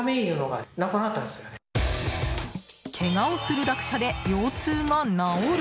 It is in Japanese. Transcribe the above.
けがをする落車で腰痛が治る